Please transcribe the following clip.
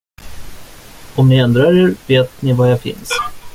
Om ni ändrar er, vet ni var jag finns.